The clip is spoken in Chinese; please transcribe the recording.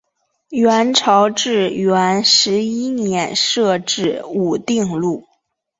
元朝至元十一年设置武定路。